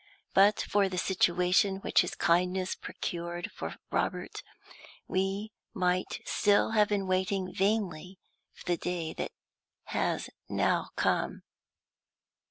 But for the situation which his kindness procured for Robert, we might still have been waiting vainly for the day that has now come.